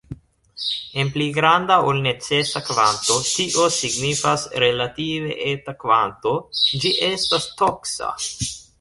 En pli granda ol necesa kvanto, tio signifas relative eta kvanto, ĝi estas toksa.